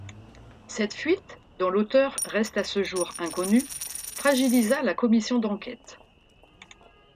Cette fuite, dont l'auteur reste à ce jour inconnu, fragilisa la commission d'enquête.